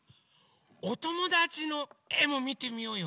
おともだちのえもみてみようよ。